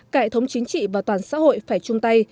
cải thống chính trị và toàn xã hội phải chung tay